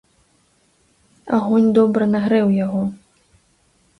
Агонь добра нагрэў яго.